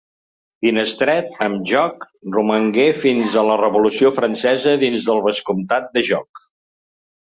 Finestret, amb Jóc, romangué fins a la Revolució Francesa dins del Vescomtat de Jóc.